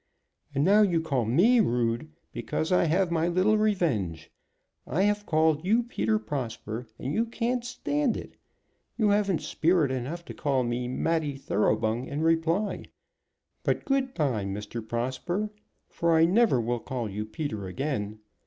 And now you call me rude, because I have my little revenge. I have called you Peter Prosper, and you can't stand it. You haven't spirit enough to call me Matty Thoroughbung in reply. But good bye, Mr. Prosper, for I never will call you Peter again.